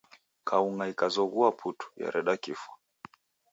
Kaung'a ikazoghua putu, yareda kifwa.